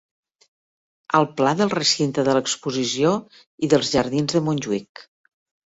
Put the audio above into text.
El pla del recinte de l'exposició i dels jardins de Montjuïc.